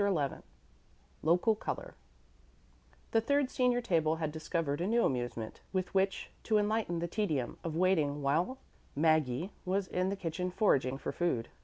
XI "Local Color" The third senior table had discovered a new amusement with which to enlighten the tedium of waiting while Maggie was in the kitchen foraging for food.